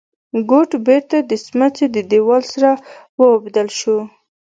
ګټ بېرته د سمڅې د دېوال سره واوبدل شو.